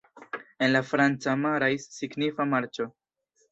En la franca, "Marais" signifas "marĉo".